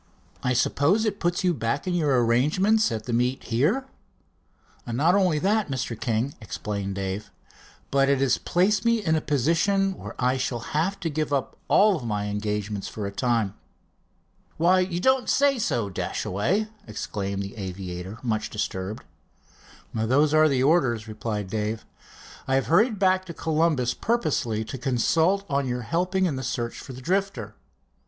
I suppose it puts you back in your arrangements at the meet here?" "Not only that, Mr. King," explained Dave, "but it has placed me in a position where I shall have to give up all my engagements for a time." "Why, you don't say so, Dashaway?" exclaimed the aviator, much disturbed. "Those are the orders," replied Dave. "I have hurried back to Columbus purposely, to consult on your helping in a search for the Drifter."